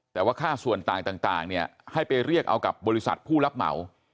แต่ว่าค่าส่วนต่างเนี่ยให้ไปเรียกเอากับบริษัทผู้รับเหมา